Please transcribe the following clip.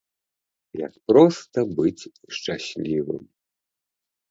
Як проста быць шчаслівым.